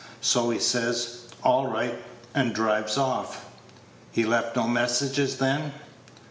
So he says 'All right,' and drives off." "He left no message, then?"